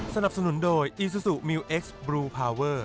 สนับสนุนโดยอีซูซูมิวเอ็กซ์บลูพาวเวอร์